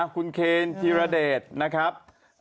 คุณเคนธีรเดชนะครับ